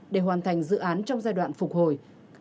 để hoàn thành dự án trong giai đoạn phục hồi